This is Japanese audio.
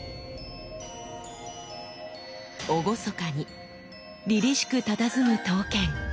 厳かにりりしくたたずむ刀剣。